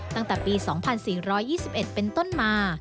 ตั้งแต่ปี๒๔๒๑เป็นต้นมา